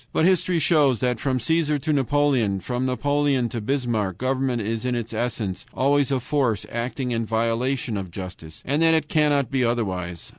But history shows that from Caesar to Napoleon, and from Napoleon to Bismarck, government is in its essence always a force acting in violation of justice, and that it cannot be otherwise.